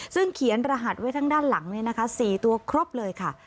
ซึ่งเขียนรหัสไว้ทั้งด้านหลัง๔ตัวครบเลยค่ะ